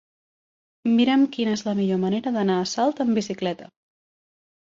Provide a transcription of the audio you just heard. Mira'm quina és la millor manera d'anar a Salt amb bicicleta.